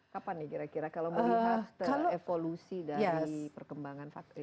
kapan nih kira kira kalau melihat evolusi dari perkembangan vaksin